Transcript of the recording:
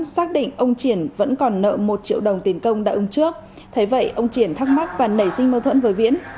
xác định ông triển vẫn còn nợ một triệu đồng tiền công đã ứng trước thế vậy ông triển thắc mắc và nảy sinh mâu thuẫn với viễn